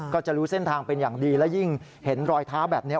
ก็จะรู้เส้นทางเป็นอย่างดีและยิ่งเห็นรอยเท้าแบบนี้